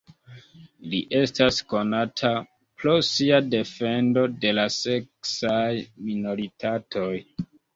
Li estas konata pro sia defendo de la seksaj minoritatoj.